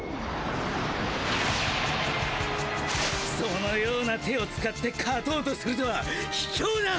そのような手を使って勝とうとするとはひきょうな！